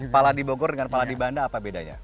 pala di bogor dengan pala di banda apa bedanya